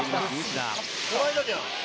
「この間じゃん」